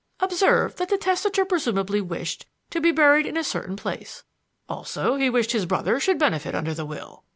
Observe that the testator presumably wished to be buried in a certain place; also he wished his brother should benefit under the will.